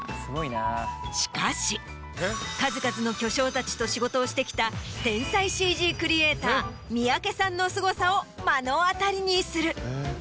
りっちゃんの頭の中は。をしてきた天才ＣＧクリエイター三宅さんのすごさを目の当たりにする。